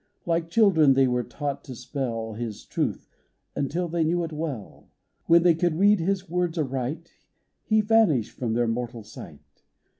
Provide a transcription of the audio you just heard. Like children, they were taught to spell His truth, until they knew it well : When they could read His words aright, He vanished from their mortal sight.